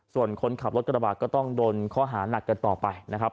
ส่วนคนขับรถกระบาดก็ต้องโดนข้อหานักกันต่อไปนะครับ